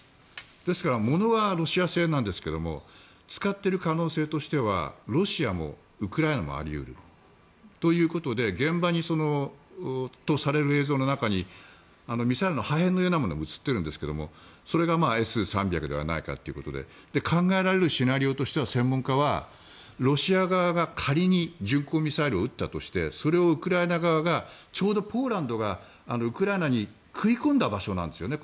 ですから物はロシア製なんですけど使っている可能性としてはロシアもウクライナもあり得るということで現場とされる映像の中にミサイルの破片のようなものが映っているんですがそれがＳ３００ではないかということで考えられるシナリオとしては専門家はロシア側が仮に巡航ミサイルを撃ったとしてそれをウクライナ側がちょうどポーランドがウクライナに食い込んだ場所なんですよね。